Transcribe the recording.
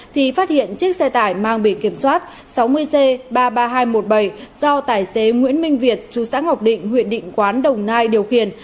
thì phát hiện chiếc xe tải mang bề kiểm soát sáu mươi c ba mươi ba nghìn hai trăm một mươi bảy do tài xế nguyễn minh việt chú xã ngọc định huyện định quán đồng nai điều khiển